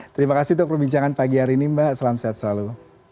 terima kasih untuk perbincangan pagi hari ini mbak selamat sehat selalu